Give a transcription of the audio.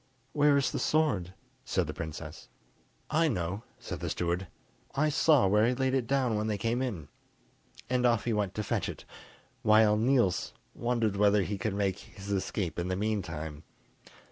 "Where is the sword?" said the princess. "I know," said the steward, "I saw where he laid it down when they came in;" and off he went to fetch it, while Niels wondered whether he could make his escape in the meantime.